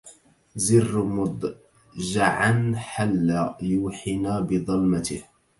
زر مضجعا حل يوحنا بظلمته